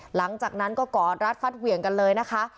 หลังจากนั้นก็กอดรัดฟัดเหวี่ยงกันเลยนะคะ